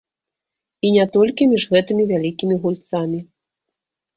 І не толькі між гэтымі вялікімі гульцамі.